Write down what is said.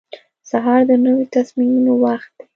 سهار د نوي تصمیمونو وخت دی.